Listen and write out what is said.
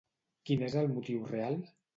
Quin és el motiu real?